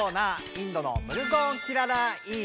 インドのムルゴーンキララーイー